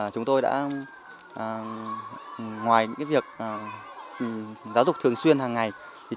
chúng tôi đã ngoài những việc giáo dục thường xuyên hàng ngày